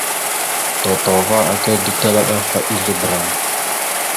Dotohəva aka ditala ɗaf a ezle bəram.